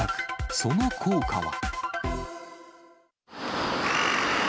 その効果は？